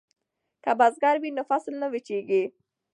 که بزګر وي نو فصل نه وچېږي.